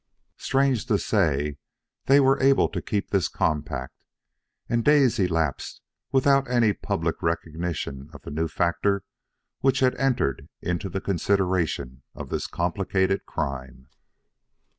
Strange to say, they were able to keep this compact, and days elapsed without any public recognition of the new factor which had entered into the consideration of this complicated crime.